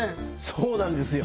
そうなんですよ